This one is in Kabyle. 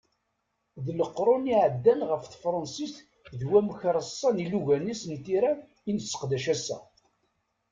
D leqrun i iεeddan ɣef tefransist d wamek reṣṣan ilugan-is n tira i nesseqdac ass-a.